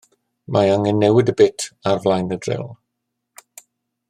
Mae angen newid y bit ar flaen y dril.